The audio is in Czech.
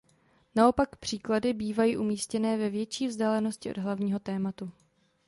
Naopak příklady bývají umístěné ve větší vzdálenosti od hlavního tématu.